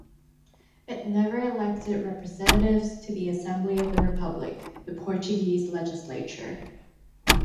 It never elected representatives to the Assembly of the Republic, the Portuguese legislature.